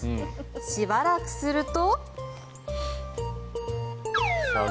しばらくすると。